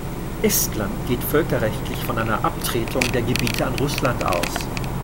Estland geht völkerrechtlich von einer Abtretung der Gebiete an Russland aus.